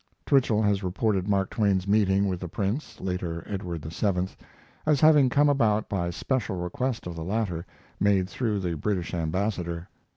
Twichell has reported Mark Twain's meeting with the Prince (later Edward VII) as having come about by special request of the latter, made through the British ambassador.